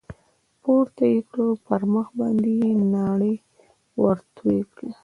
پورته يې كړ پر مخ باندې يې ناړې ورتو کړې.